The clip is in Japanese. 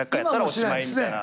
今はもうしないですね。